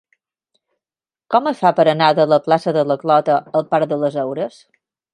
Com es fa per anar de la plaça de la Clota al parc de les Heures?